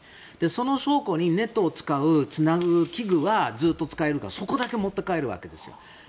その証拠にネットをつなぐ器具はずっと使えるからそこだけ持って帰るわけです。